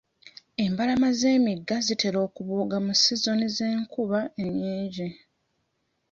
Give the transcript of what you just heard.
Embalama z'emigga zitera okubooga mu sizoni z'enkuba ennyingi .